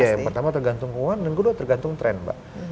ya yang pertama tergantung keuangan dan kedua tergantung tren mbak